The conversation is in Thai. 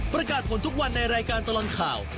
ประกาศผลทุกวันในรายการตลอดข่าว